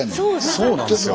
そうなんですよ。